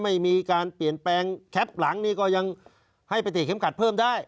ไม่มีการเปลี่ยนแปลงแคปหลังนี่ก็ยังให้ไปเตะเข็มขัดเพิ่มได้